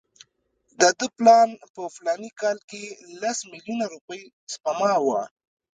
د ده پلان په فلاني کال کې لس میلیونه روپۍ سپما وه.